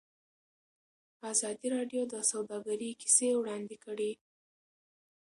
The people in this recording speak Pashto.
ازادي راډیو د سوداګري کیسې وړاندې کړي.